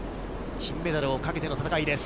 金メダルをかけての戦いです。